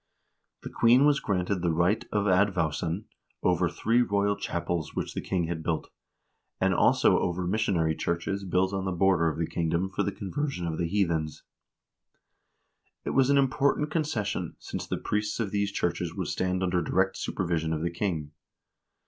The queen was granted the right of advowson over three royal chapels which the king had built, and also over missionary churches built on the border of the kingdom for the conversion of the heathens.2 This was an important concession, since the priests of these churches would stand under direct supervision of the king.